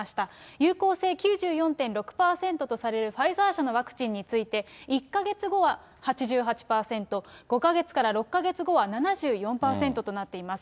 有効性９４．６％とされるファイザー社のワクチンについて、１か月後は８８％、５か月から６か月後は７４％となっています。